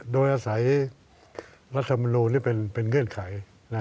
โดยอาศัยรัฐบาลความสดชอบนี้เป็นเงื่อนไข